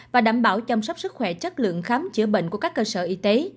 và đảm bảo chăm sóc sức khỏe chất lượng khám chữa bệnh của các cơ sở y tế